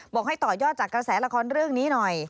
บอกให้ต่อยอดจากกระแสละครเรื่องนี้หน่อย